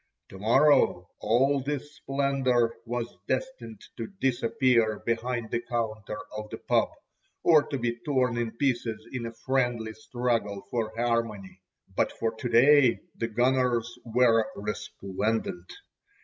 To morrow all this splendour was destined to disappear behind the counter of the "pub," or to be torn in pieces in a friendly struggle for harmony. But for to day the "gunners" were resplendent.